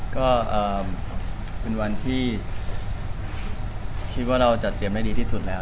ก็เป็นวันที่คิดว่าเราจัดเกมได้ดีที่สุดแล้ว